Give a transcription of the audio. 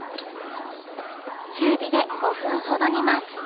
中火で５分ほど煮ます